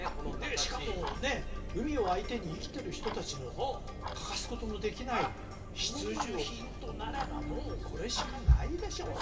しかもね海を相手に生きてる人達の欠かすことのできない必需品となればもうこれしかないでしょう